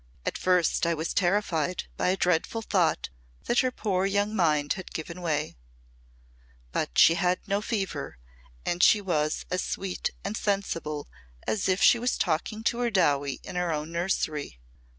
At first I was terrified by a dreadful thought that her poor young mind had given way. But she had no fever and she was as sweet and sensible as if she was talking to her Dowie in her own nursery.